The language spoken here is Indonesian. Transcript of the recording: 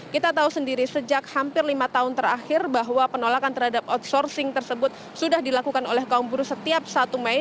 kita tahu sendiri sejak hampir lima tahun terakhir bahwa penolakan terhadap outsourcing tersebut sudah dilakukan oleh kaum buruh setiap satu mei